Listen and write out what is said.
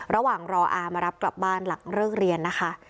ระหว่างรออามารับกลับบ้านหลังเลิกเรียนนะคะ